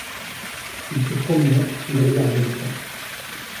Il se promenait, il regardait le temps.